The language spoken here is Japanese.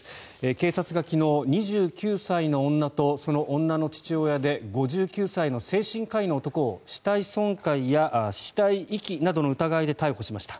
警察が昨日、２９歳の女とその女の父親で５９歳の精神科医の男を死体損壊や死体遺棄などの疑いで逮捕しました。